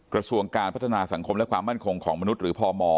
กระทรวงการพัฒนาสังคมและความมั่นคงของมนุษย์หรือพม